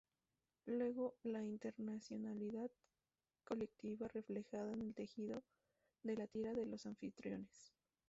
Luego, la intencionalidad colectiva "reflejada en el tejido" de la ‘tira’ de los anfitriones.